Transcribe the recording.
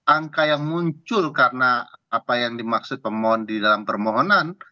angka yang muncul karena apa yang dimaksud pemohon di dalam permohonan